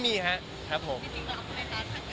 จริงเราวาถอดให้กันค่ะ